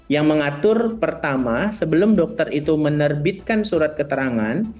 yang mengatur pertama sebelum dokter itu menerbitkan surat keterangan